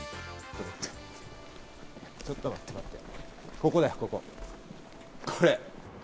ちょっと待って待って！